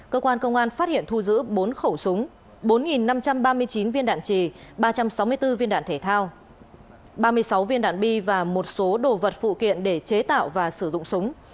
cơ quan công an phát hiện thu giữ bốn khẩu súng bốn năm trăm ba mươi chín viên đạn trì ba trăm sáu mươi bốn viên đạn thể thao ba mươi sáu viên đạn bi và một số đồ vật phụ kiện để chế tạo và sử dụng súng